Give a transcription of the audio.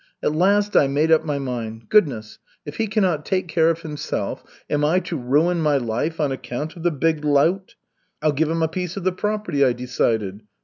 At last, I made up my mind. Goodness, if he cannot take care of himself, am I to ruin my life on account of the big lout? I'll give him a piece of the property, I decided.